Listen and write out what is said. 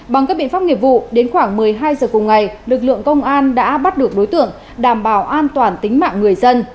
bằng các biện pháp nghiệp vụ đến khoảng một mươi hai giờ cùng ngày lực lượng công an đã bắt được đối tượng đảm bảo an toàn tính mạng người dân